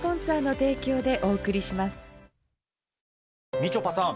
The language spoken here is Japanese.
みちょぱさん